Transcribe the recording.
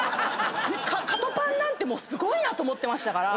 カトパンなんてすごいなと思ってましたから。